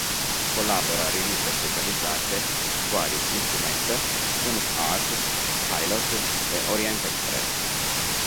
Collabora a riviste specializzate quali "Il fumetto", "Comic Art", "Pilot" e "Orient Express".